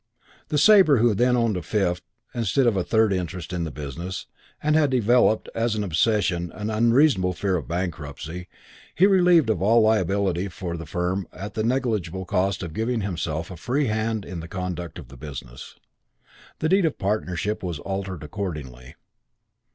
The Sabre, who owned then a fifth instead of a third interest in the business, and had developed, as an obsession, an unreasonable fear of bankruptcy, he relieved of all liability for the firm at the negligible cost of giving himself a free hand in the conduct of the business. The deed of partnership was altered accordingly.